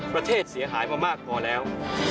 ประเทศไทยเสียหายมามากพอแล้ว